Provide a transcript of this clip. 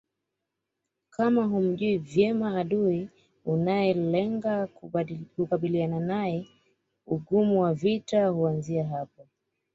Kama humjui vyema adui unayelenga kukabiliana naye ugumu wa vita huanzia hapo